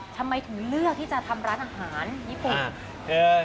ทำไมถึงเลือกที่จะทำร้านอาหารญี่ปุ่น